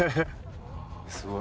すごい。